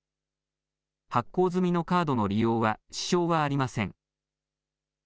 発行済みのカードの利用は支障はありません。